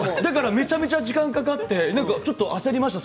めちゃめちゃ時間がかかって焦りました。